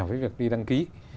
với việc đi đăng ký